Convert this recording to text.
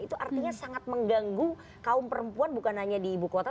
itu artinya sangat mengganggu kaum perempuan bukan hanya di ibu kota